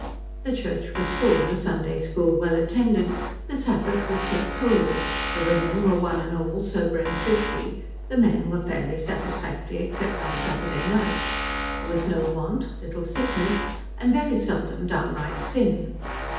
The church was full, the Sunday school well attended, the Sabbath was kept holy, the women were one and all sober and thrifty, the men were fairly satisfactory except on Saturday nights, there was no want, little sickness, and very seldom downright sin.